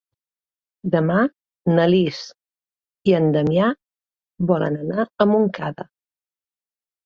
Demà na Lis i en Damià volen anar a Montcada.